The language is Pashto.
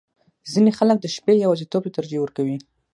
• ځینې خلک د شپې یواځیتوب ته ترجیح ورکوي.